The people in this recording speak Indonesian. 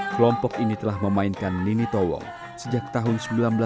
kelompok ini telah memainkan nini tawong sejak tahun seribu sembilan ratus enam puluh sembilan